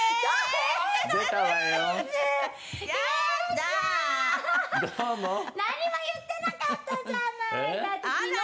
「何も言ってなかったじゃない！」